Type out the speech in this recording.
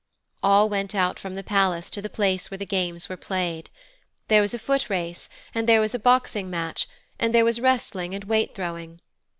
All went out from the palace to the place where the games were played. There was a foot race, and there was a boxing match, and there was wrestling and weight throwing.